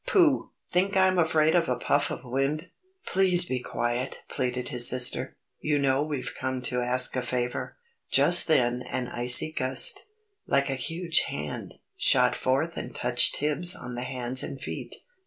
"Pooh! Think I'm afraid of a puff of wind!" "Please be quiet!" pleaded his sister. "You know we've come to ask a favour." Just then an icy gust, like a huge hand, shot forth and touched Tibbs on the hands and feet.